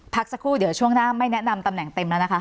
พักสักครู่เดี๋ยวช่วงหน้าไม่แนะนำตำแหน่งเต็มแล้วนะคะ